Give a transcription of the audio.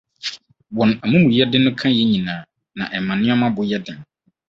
Wɔn amumɔyɛde no ka yɛn nyinaa, na ɛma nneɛma bo yɛ den.